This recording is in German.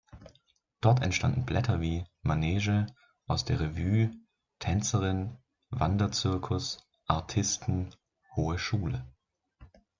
Dort entstanden Blätter wie "Manege", "Aus der Revue", "Tänzerin", "Wanderzirkus", "Artisten", "Hohe Schule".